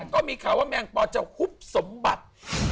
ก็มีข่าวว่าแมงปอจะหุบสมบัติ